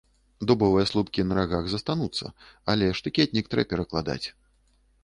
Дубовыя слупкі на рагах застануцца, але штыкетнік трэ перакладаць.